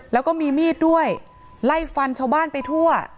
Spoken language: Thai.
แล้วก็มีมีดด้วยไล่ฟันชาวบ้านไปทั่ว